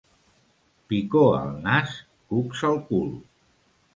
Picor al nas, cucs al cul.